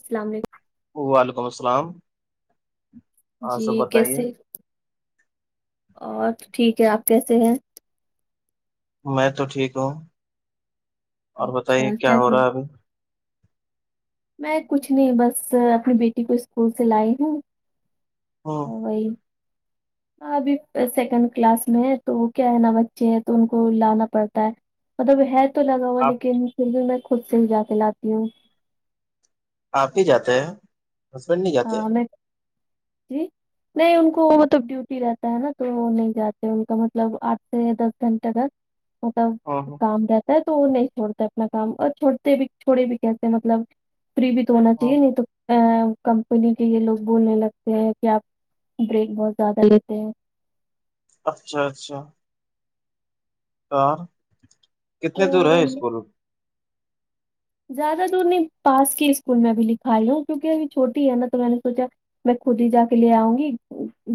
السل علیکم وعلیکم السلام ہاں جی سب بتائیے کیسے اور ٹھیک ہے آپ کیسے ہیں میں تو ٹھیک ہوں اور اچھا بتائیے کیا ہو چ رہا ہے ابھی میں کچھ نہیں بس اپنی بیٹی کو اسکول سے لائی ہوں ہوں وہی ہاں ابھی سیکنڈ کلاس میں ہے تو وہ کیا ہے نا بچے ہیں تو ان کو لانا پڑتا ہے مطلب ہے تو لگا ہوا آپ لیکن پھر بھی میں خود سے جا کے لاتی ہوں آپ ہی جاتے ہیں ہسبینڈ نہیں جاتے ہاں میں جی نہیں ان کو مطلب ڈیوٹی رہتا ہے نا تو وہ نہیں جاتے ان کا مطلب آٹھ سے دس گھنٹے گ مطلب ہاں کام رہتا ہے تو وہ نہیں چھوڑتا اپنا کام اور چھوڑتے بھی چھوڑے بھی کہتے ہیں مطلب فری بھی تو ہونا ہاں چاہیے نہیں تو کمپنی کے یہ لوگ بولنے لگتے ہیں کہ آپ بریک بہت زیادہ لیتے ہیں اچھا اچھا اور تو کتنے دور ہے وہی اسکول زیادہ دور نہیں پاس کی اسکول میں اب لکھا رہ ہوں کیوںکہ اب چھوٹی ہے نا تو میں نے سوچا میں خود ہی جا کے لے آؤں گی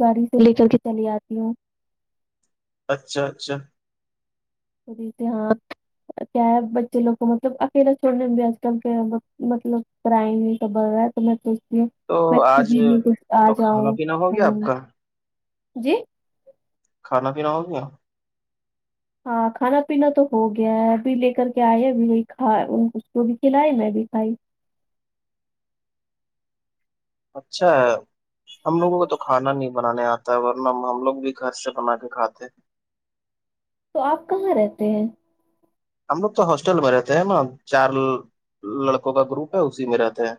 گاڑی سے لے کر کے چلی آتی ہوں اچھا اچھا ختحس کیا ہے بچے لوگ کو مطلب اکیلا چھڑنے میں بھیج کل کے مطلب کر نہیں توبڑ رہا ہے تو میں سوچتی ہوں تو میں خود آج ہی نہیں آ تو کھانا جاؤں پینا ہو گیا آپ کا جی کھانا پیین ہو گیا ہاں کھانا پینا تو ہو گیا ہے ابھی لے کر کے آئے اب وہی کھا اس کو بھی کھلائے میں بھی کھائی اچھا ہم لوگوں کو تو کھانا نہیں بنانے آتے وورن ہم ہم لوگ بھی خرچ بنا کے کھاتے ہیں تو آپ کہاں رہتے ہیں ہم لوگ تو ہاسٹل میں رہتے ہیں نا چار لڑکوں کا گروپ ہے اسی میں رہتے ہیں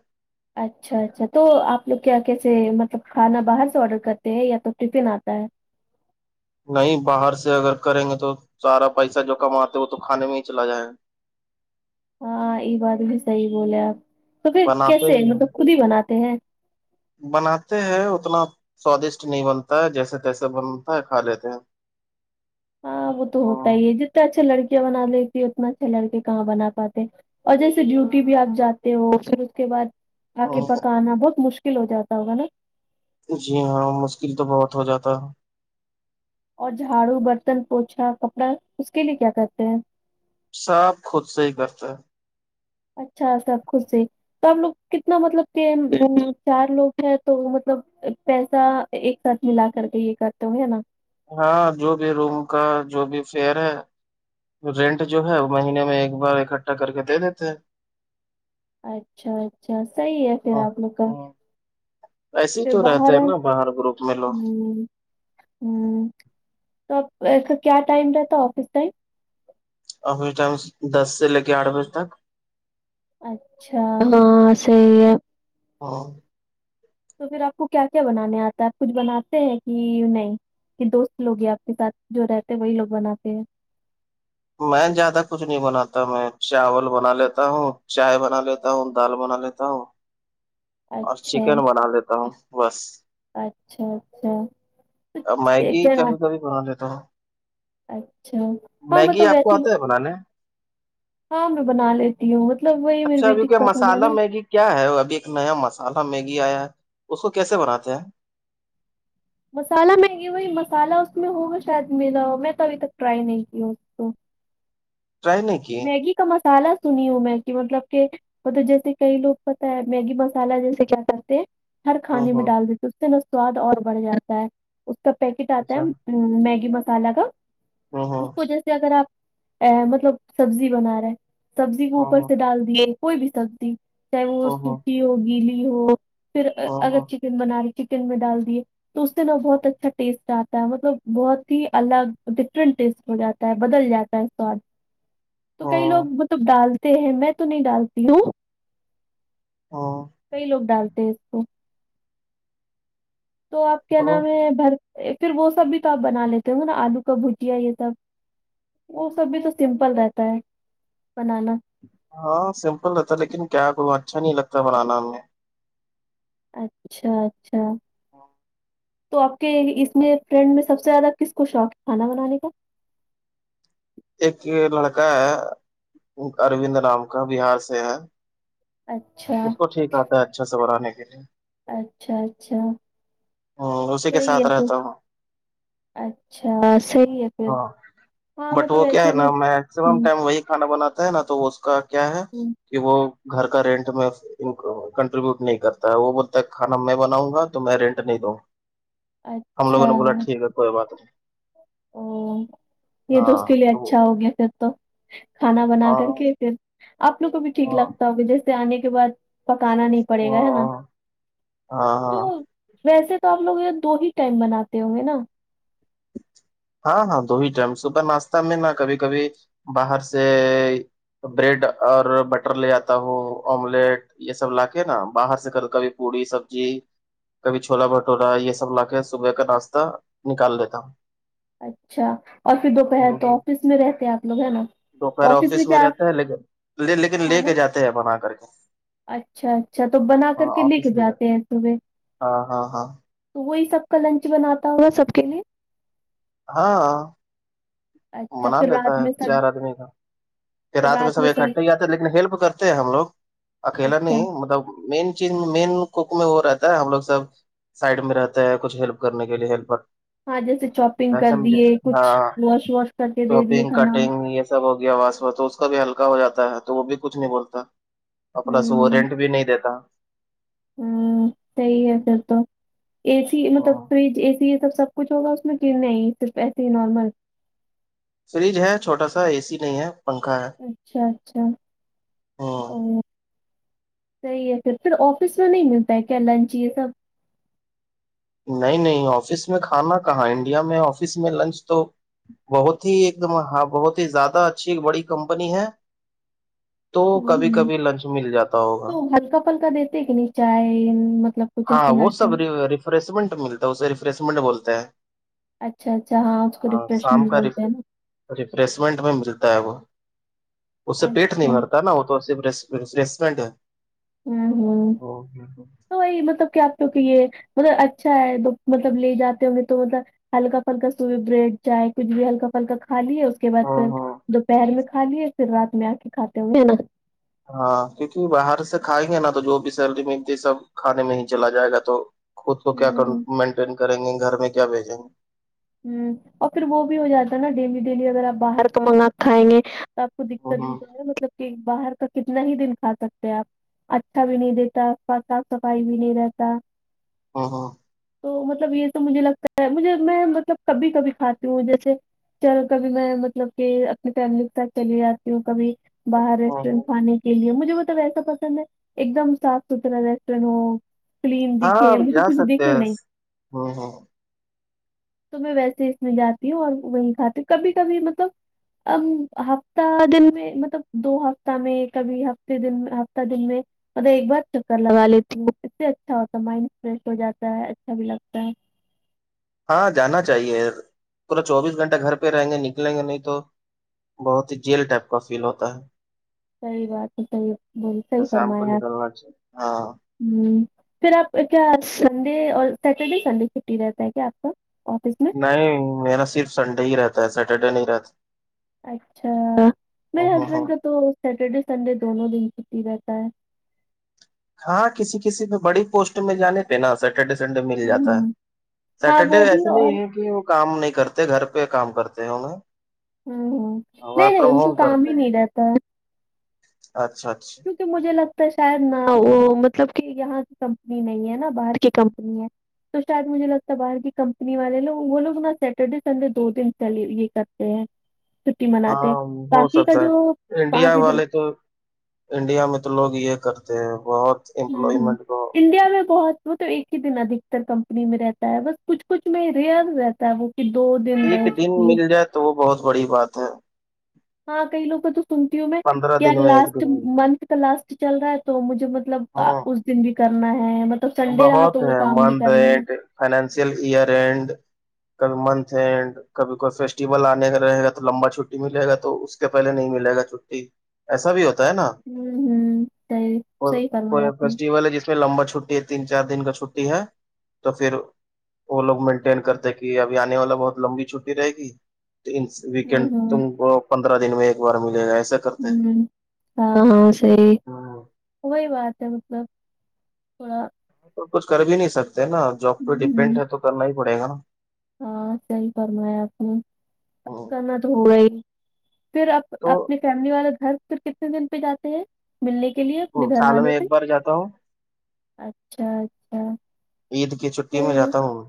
اچھا اچھا تو آپ لوگ کیا کیسے مطلب کھانا باہر سے آڈر کرتے ہیں یا تو ٹفن آتا ہے نہیں باہر سے اگر کریں گے تو سارا پیسہ جو کماتے وہ تو کھانے میں ہی چلا جائےیں گا ہاں یہ بات بھی صحیح بولے آپ تو پھر بناتے کیسے ہی مطلب ہیں خود ہی بناتے ہیں بناتے ہیں اتنا سوادشٹ نہیں بنتا ہے جیسے تیسے بنتا ہے کھا لیتے ہیں ہاں وہ تو ہوتا ہی ہے جتنا اچھا لڑکیاں بنا دیتی اتنا اچھے لڑکے کہاں بنا پاتے ہیں اور جیسے ڈیوٹی بھی آپ جاتے ہو پھر اس کے بعد آ کے پکانا بہت مشکل ہو جاتا ہوگا نا جی ہاں مشکل تو بہت ہو جاتا ہے اور جھاڑو برتن پوچھا کپڑا اس کے لیے کیا کرتے ہیں ساب خود سے ہی کرتا ہے اچھا سب خد سے تو آب لوگ کتنا مطلب کہ چار لوگ ہیں تو مطلب پیسہ ایک سات ملا کر کے یہ کرتے ہوں نا ہاں جو بھی روم کا جو بھی فیئر ہے رینٹ جو ہے وہ مہینے میں ایک بار اکٹھا کر کے دے دیتے ہیں اچھا اچھا صحیح ہے پھر ہاں آپ لوگ کا ایسے ہی پھر تو رہتے باہر ہیں نا باہر گروپ میں لوگ ہوں تو اب کیا ٹائم رہتا آفس ٹائم اورفس ٹائم دس سے لے کے آٹھ بجے تک اچھا ہاں صحیح ہے ہاں تو پھر آپ کو کیا کیا بنانے آتا ہے آپ کچھ بناتے ہیں کہ نہیں دوست لو یہ آپ کے ساتھ جو رہتے ہیں وہی لوگ بناتے ہیں میں زیادہ کچھ نہیں بناتا میں چاول بنا لیتا ہوں چائے بنا لیتا ہوں دال بنا لیتا ہوں اور اچھا چکن بنا لیتا ہوں بس اچھا اچھا مائگی دیکھے کیاب کاب بھی بنا لیتا ہ اچھا ہاں میں میگی تو آپ کو ویسے آتا ہے بنانے ہاں میں بنا لیتی ہوں مطلب وہی میری اچھا ابھی بیٹی کیا پسند ہے مسالہ نا میگی کیا ہے ابھی ایک نیا مسالہ میگی آیا ہے اس کو کیسے بناتے ہیں مسالہ مہنگی ہوئی مسالہ اس میں ہوگا شاید میرا میں تو ابھی تک ٹرائی نہیں کیا رائے نیکی میگی کا مسالہ سنی ہوں میں کہ مطلب کہ مطلب جیسے کئی لوگ پت ہے میگی مسالہ جیسے کیا کرتے ہیں ہر ہوں کھانے میں ہوں ڈال دیتے اس سے نا سواد اور بڑھ جاتا ہے اس کا پیکٹ آتا اچھا ہے میگی مسالہ کا ہوں اس ہوں کو جی سے اگر آپ مطلب سبزی بنا رہا ہے سبزی کو ہوں اوپر ہوں سے ڈال دیے کوئی بھی سبزی چاہے وہ ہوں سوکھی ہو گیلی ہو پھر ہوں اگر ہوں چکن بنا رہی چکن میں ڈال دیے تو اس دن وہ بہت اچھا ٹیسٹ آتا ہے مطلب بہت ہی الگ ڈفرنٹ ٹیسٹ ہو جاتا ہے بدل جاتا ہے سواد تو کئی ہوں ہوں لوگ مطلب ڈالتے ہیں میں تو نہیں ڈالتی ہوں ہوں کئی لوگ ڈالتے ہیں اس کو تو آپ کیا نام ہے بھر پھر وہ سب بھی تو آپ بنا لیتے ہو نا آلو کا بھجیا یہ سب وہ سب بھی تو سمپل رہتا ہے بنانا ہاں سمپل رہتا ہے لیکن کیا کو اچھا نہیں لگتا بنانا ہمیں اچھا اچھا تو آپ کے اس میں فرینڈ میں سب سے زیادہ کس کو شوق ہے کھانا بنانے کا ایک لڑکا ہے اروند رام کا بہار سے ہے اچھا اس کو ٹھیک آتا ہے اچھا سے بنانے کے لیے اچھا اچھا ا اسی کے صحیح ساتھ ہے پھر رہتا ہوں اچھا صحیح ہے پھر ہاں ہاں بٹ مطلب وہ کیا ہے ایسے نا لوگ میکسیمم ہوں ٹائم وہی کھانا بناتا ہے نا تو اس کا کیا ہے ہوں کہ وہ گھر کا رینٹ میں کٹریبوٹ نہیں کرتا ہے وہ بولتا ہے کھانا میں بناؤں گا تو میں رینٹ نہیں دوں ہم لوگوں اچھا نے بولا ٹھیک ہے کوئی بات نہیں او یہ تو اس کے ہاں لیے تو اچھا ہو گیا پھر تو کھانا بنا ہاں کر کے پھر آپ لوگ کو بھی ٹھیک ہاں لگتا ہوگا جیسے آنے کے بعد پکانا نہیں پڑے گا ہے نا ہاں ہاں تو ہاں ویسے تو آپ لوگ یہ دو ہی ٹائم بناتے ہوں گے نا ہاں ہاں دو ہی ٹائم صبح ناشہ میں نہا کبھی کبھی باہر سے بریڈ اور بٹر لے آتا ہوں آملیٹ یہ سب لا کے نا باہر سے کب کبھی پوڑی سبزی کبھی چھولا بھٹورا یہ سب لا کے صبح کا ناشہ نکال لیتا اچھا اور پھر دوپہر تو آفس میں رہتے ہیں آپ لوگ ہیں نا دوپر آفس میں رہتے ہے لیکن لیکن لے کھانا کے جاتے ہیں بنا کر کے اچھا اچھا تو بنا کر ہاں کے لکھ آفس لے کر جاتے ہیں صبح ہاں ہاں ہاں تو وہی سب کا لنچ بناتا ہوگا سب کے لیے ہاں اچھا منا پھر لیتا رات ہے میں سب چار آدمی کا کہ رات میں سب اکٹھا ہی جاتتے لیکن ہیلپ کرتے ہیں ہم لوگ اکیلا اچھا نہیں مطلب مین چیز مین کوک میں وہ رہتا ہے ہم لوگ سب سائڈ میں رہتا ہے کچھ ہیلپ کرنے کے لیے ہیلپر ہاں جیسے شاپنگ وسا کر مجھے دیے کچھ ہاں واش واش کر کے دے دیے شاپنگ کھانا ہمیں کٹنگ یہ سب ب ہو گیا واس و تو اس کا بھی ہلکا ہو جاتا ہے تو وہ بھی کچھ نہیں بولتا اپناس وہ رینٹ بھی نہیں دیتا ہ ت ہی ہے تو تو اے سی مطلب ہ فریج اے سی یہ سب سب کچھ ہوگا اس میں گرنا ہی صرف ایسے ہی نارمل فریج ہے چھوٹا سا اے سی نہیں ہے پنکھا ہے اچھا اچھا ہ اورو صحیح ہے پھر پھر آفس میں نہیں ملتا ہے کیا لنچ یہ سب نہیں نہیں آفس میں کھانا کہاں انڈیا میں آفس میں لنچ تو بہت ہی ایک دم ہاں بہت ہی زیادہ اچھی بڑی کمپنی ہے تو ہ کبھی ہ کبھی لنچ مل جاتا تو ہوگا ہلکا پھلکا دیتے کہ نہیں چائے مطلب کچھ ہاں ایسے وہ سب ناشتہ ریفریشمنٹ ملتا ہے اسے ریفریشمنٹ بولتے ہیں اچھا اچھا ہاں اس کو شام ریفریشمنٹ کا بولتے ہیں نا ریفریشمنٹ میں ملتا ہے وہ اس سے پیٹ اچھا نہیں ہوں بھرتا نا س رٹورانٹ ہے ہوں ہوں اوک تو وہی مطلب کیا آپتے کہ یہ مطلب اچھا ہے مطلب لے جاتے ہوں گے تو مطلب ہلکا پھلکا سوئے بریڈ چائے کچھ بھی ہلکا پھلکا کا لیے اس کے بع پھر ہوں دوپہر میں کھا لیے پھر رات میں آ کے کھاتے ہوئے ہاں کیونکہ باہر سے کھائیں گے نا تو جو بھی سیلری مل سب کھانے میں ہی چلا جائے گا تو خود کو کیا ہوں مینٹین کریں گے گھر میں کیا بھیجیں گے ہ اور پھر وہ بھی ہو جاتا ہے نا ڈیلی ڈیلی اگر آپ باہر کو منگا کھائیں گے آپ کو ہوں دقت بھی ہوں تو ہے مطلب کہ باہر کا کتنا ہی دن کھا سکتے ہیں آپ اچھا بھی نہیں دیتا صاف صفائی بھی نہیں رہتا ہ ہاں تو مطلب یہ تو مجھے لگتا ہے مجھے میں مطلب کبھی کبھی کھاتی ہوں جیسے چل کبھی میں مطلب کہ اپنی فیملی کے ساتھ چلی جاتی ہوں کبھی باہر ہوں ہوں ریسٹورینٹ کھانے کے لیے مجھے ب تو ویسا پسند ہے ایک دم صف سترا رسنو کلیم دکھے مجھے کچھ دکھے نہیں ہاں ہاں تو میں ویسے اس میں جاتی ہوں اور وہی کھاتی ہ کبھی کبھی مطلب ا ہفتہ دن میں مطلب دو ہفتہ میں کبھی ہفتے دن ہفتہ دن میں اور ایک بار چکر لگا لیتی ہوں ا سے اچھا ہوتا مائنڈ فریش ہو جاتا ہے اچھا بھی لگتا ہے ہاں جانا چاہیے پورا چوبیس گھنٹہ گھر پہ رہیں گے نکلیں گے نہیں تو بہت ہی جیل ٹائپ کا فیل ہوتا ہے صحی بات ہے صحیحات تو شام کو نکل مارچ ہاں ہوں پھر آپ کیا سنڈے اور سٹرڈے سنڈے چھٹی رہتا ہے کیا آپ کا آفس میں نہیں میرا صرف سنڈے ہی رہتا ہے سیٹرڈے نہیں رہتا اچھا میرے ہ ہاں ہسبینڈ کا تو سیٹرڈے سنڈے دونوں دن چھٹی رہتا ہے ہاں کسی کسی میں بڑی پوسٹ میں جانے پہ نا سر سٹرڈے سنڈے مل ہوں جاتا ہے ہوں ہاں سیٹرڈے وہ بھی ایسے اور نہیں ہے کہ کام نہیں کرتے گھر پہ کام کرتے ہیں انیں ہوں ہوں نہیں نہیں ان تو کام ہی کرتے ہیں نہیں رہتا ہے اچھا اچھا کی مجھے لگتا ہے شاید نہ وہ مطلب کہ یہاں کی کمپنی نہیں ہے نا باہر کی کمپنی ہے تو شاید مجھے لگتا باہر کی کمپنی والے لو وہ لوگ نا سیٹرڈے سنڈے دو دنلے یہ کرتے ہیں چھٹی مناتے ہیں ہاں ہو باقی کا سکتا ہے جو انڈیا پانچ ہی دن والے تو انڈیا میں تو لوگ یہ کرتے ہیں بہت ہ ہ امپلائمنٹ کو انڈیا میں بہت وہ تو ایک ہی دن ادکتر کمپنی میں رہتا ہے بس کچھ کچھ میں ریاض رہتا ہے وہ کی دو دن ایک رہہ چکی ہے مل جائے تو وہ بہت بڑی بات ہے ہاں کئی لوگ کا تو سنتی ہوں میں پندرہ کیا دن میں ایک لاسٹ دن میں منتھ کا لاسٹ چل رہا ہے تو مجھے مطلب ہاں اس دن بھی کرنا ہے م بہت ہیں مند اڈ فنینشیل ایئر اینڈ کل منتھ اینڈ کبھی کوئی فیسٹیول آنے کا رہے گا تو لمبا چھٹی ملے گا تو اس کے پہلے نہیں ملے گا چھٹی ایسا بھی ہوتا ہے نا ہ صحیح صحیح فرمایا آپ نے فیسٹیول ہے جس لمبا چھٹی ہے تین چار دن کا چھٹی ہے تو پھر وہ لوگ مینٹین کرتے کہ اب آنے والا بہت لمبی چھٹی رہے گی تو ہ ویکینڈ ہ تم کو پندرہ دن میں ایک بار ملے گا ای سر ہوں ہاں سی ہوں، وہی بات ہے مطلب تھوڑا تو کچھ کر بھی نہیں سکتے نا جاب پہ ہ ہ ڈیپینڈ ہے تو کرنا ہی پڑے گا نا ہاں صحی فرمایا آپ نےب ہوں، کرنا تو ہو رہا ہی پھر اپ اپنی تو فیملی والا گھر پھر کتنے دن پہ جاتے ہیں ملنے کے لیے اپنے گھر سال والوں میں ایک سے بار جاتا ہوں اچھا اچھا عید کی چھٹی میں صیح ہے جاتا ہوں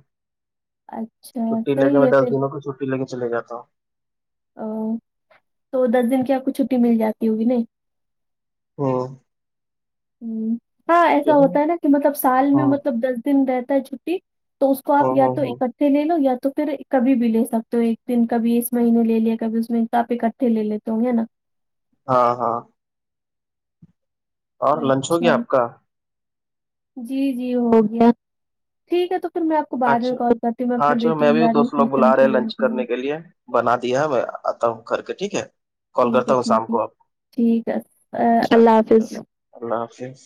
اچھا چھٹی لے کے صحیح میں ہے دس پھر دنوں کی چھٹی لے کے چے جاتا ہوں او تو دس دن کیا آپ کو چھٹی مل جاتی ہوگی ن ہاں ہ ہاں ایسا ہوتا ہے نا کہ مطلب سال میں ہاں مطلب دس دن رہتا ہے چھٹی تو اس کو آپ یا تو اکٹھا پھر لے لو یا تو پھر کبھی بھی لے سکتے ہو ایک دن کبھی اس مہینے لے لیا کبھی اس میں آپ اکٹھے لے لیتے ہوں گے نا ہاں ہاں اور لنچ ہو اچھا گیا آپ کا جی جی ہو گیا ٹھیک ہے تو سر میں آپ کو بعد میں اچھا کال کرتی ہوں میں ہاں اپنے چلو بیٹی میں ج بھی آ رہی ہوں دوست لوگ ٹیچن بلا رہے چڑ لنچ کرنے کے لیے بنا دیا ہے میں اتا کر کے ٹھیک ہے کال ٹھیک ہے کرتا ہوں ٹھیک شام ہے کو آپ کو۔ ٹھیک ہے اچھا اللہ حافظ اللہ حافظ